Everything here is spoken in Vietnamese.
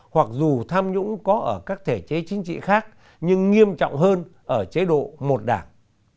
hoặc dù tham nhũng có ở các thể chế chính trị khác nhưng nghiêm trọng hơn ở chế độ một đảng